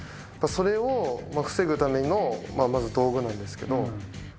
それを防ぐためのまず道具なんですけど。